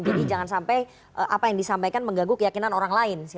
jangan sampai apa yang disampaikan menggaguh keyakinan orang lain